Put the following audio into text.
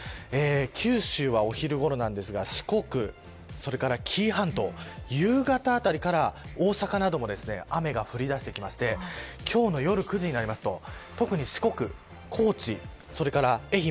九州はお昼ごろなんですが四国、紀伊半島夕方あたりから大阪なども雨が降り出してきまして夜９時なりますと特に四国高知、愛媛